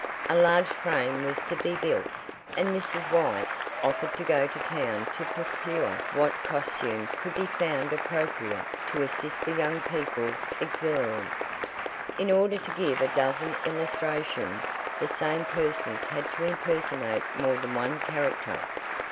A large frame was to be built, and Mrs. White offered to go to town to procure what costumes could be found appropriate to assist the young people's auxiliary. In order to give a dozen illustrations the same persons had to impersonate more than one character.